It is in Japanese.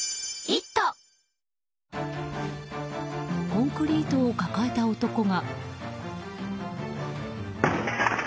コンクリートを抱えた男が。